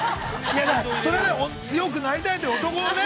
◆それは強くなりたいという男のね。